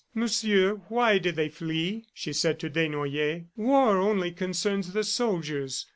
"Monsieur, why do they flee?" she said to Desnoyers. "War only concerns the soldiers.